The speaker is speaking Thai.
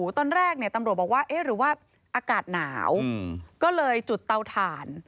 เติมโรปบอกว่าเอ๊ะหรือว่าอากาศหนาวก็เลยจุดเตาถ่าน